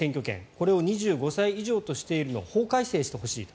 これを２５歳以上としているのを法改正してほしいと。